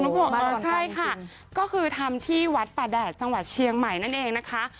บอกเออใช่ค่ะก็คือทำที่วัดป่าแดดจังหวัดเชียงใหม่นั่นเองนะคะ